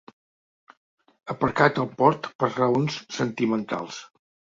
Aparcat al port per raons sentimentals.